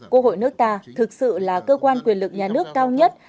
quốc hội nước ta thực sự là cơ quan quyền lực nhà nước cao nhất